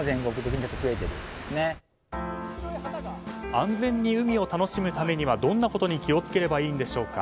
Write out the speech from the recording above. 安全に海を楽しむためにはどんなことに気を付ければいいんでしょうか。